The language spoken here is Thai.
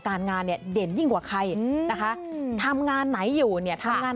งานเนี่ยเด่นยิ่งกว่าใครนะคะทำงานไหนอยู่เนี่ยทำงาน